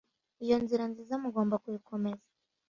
iyo nzira nziza mugomba kuyikomeza